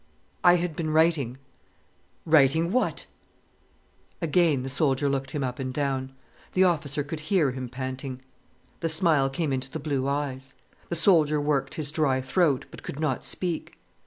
"I had been writing." "Writing what?" Again the soldier looked him up and down. The officer could hear him panting. The smile came into the blue eyes. The soldier worked his dry throat, but could not speak.